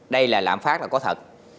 đây là lãm phát là có thật